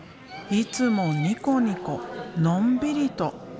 いつもニコニコのんびりと。